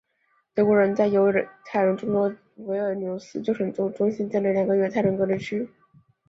德国人在犹太人众多的维尔纽斯旧城中心地区建立了两个犹太人隔离区。